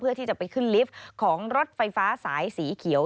เพื่อที่จะไปขึ้นลิฟต์ของรถไฟฟ้าสายสีเขียว